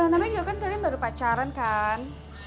namanya juga kan kalian baru pacaran kan